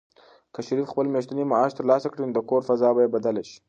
که شریف خپل میاشتنی معاش ترلاسه کړي، نو د کور فضا به بدله شي.